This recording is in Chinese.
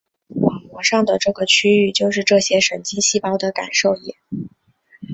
网膜上的这个区域就是这些神经细胞的感受野。